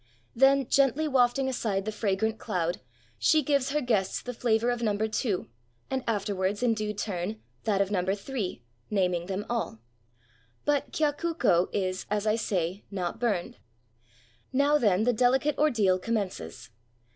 Then, gently wafting aside the fragrant cloud, she gives her guests the flavor of number two, and afterwards, in due turn, that of number three, naming them all. But kyakuko is, as I say, not burned. Now then the delicate ordeal com mences.